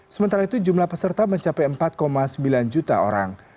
sementara itu jumlah peserta mencapai empat sembilan juta orang